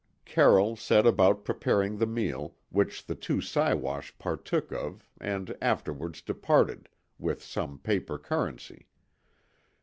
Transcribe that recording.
Carroll set about preparing the meal, which the two Siwash partook of and afterwards departed, with some paper currency.